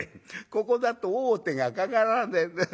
「ここだと王手がかからねえんだ。